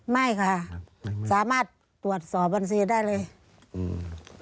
ไม่ค่ะสามารถตรวจสอบบัญชีได้เลยอืม